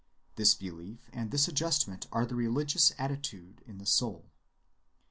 This belief and this adjustment are the religious attitude in the soul.